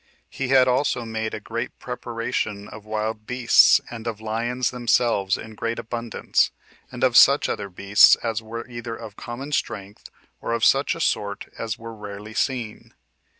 He had also made a great preparation of wild beasts, and of lions themselves in great abundance, and of such other beasts as were either of uncommon strength, or of such a sort as were rarely seen.